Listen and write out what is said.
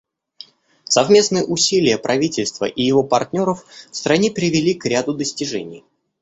Совместные усилия правительства и его партнеров в стране привели к ряду достижений.